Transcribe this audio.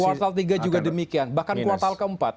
kuartal ke tiga juga demikian bahkan kuartal ke empat